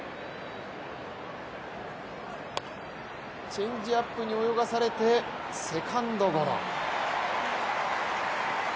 チェンジアップに泳がされてセカンドゴロ。